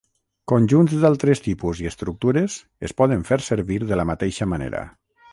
Conjunts d'altres tipus i estructures es poden fer servir de la mateixa manera.